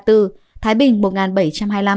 thái bình một bảy trăm hai mươi năm